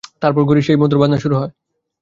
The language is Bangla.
তারপর ঘড়ির সেই মধুর বাজনা শুরু হয়।